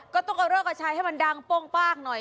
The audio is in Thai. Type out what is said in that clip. ก็ต้องเอาเราก็ใช้ให้มันดังป้องปากหน่อย